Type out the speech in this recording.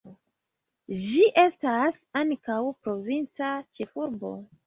Ĝi estas ankaŭ provinca ĉefurbo.